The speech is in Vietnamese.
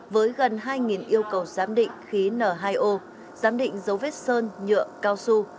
với gần hai yêu cầu giám định khí n hai o giám định dấu vết sơn nhựa cao su